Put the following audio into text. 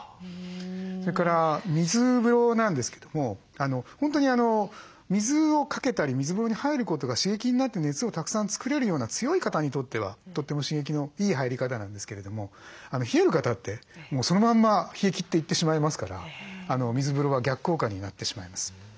それから水風呂なんですけども本当に水をかけたり水風呂に入ることが刺激になって熱をたくさん作れるような強い方にとってはとても刺激のいい入り方なんですけれども冷える方ってそのまんま冷え切っていってしまいますから水風呂は逆効果になってしまいます。